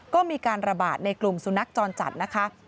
ก็มีการระบาดในกลุ่มสุนัขจรจัดนะคะ